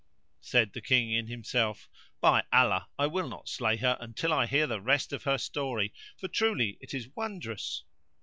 Said the King in himself, "By Allah, I will not slay her until I hear the rest of her story, for truly it is wondrous."